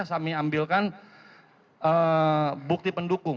kami ambilkan bukti pendukung